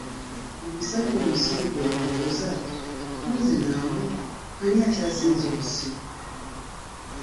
Omusajja omusiru kwe kubuuza ,kunze nawe, ani akyasinze obusiru?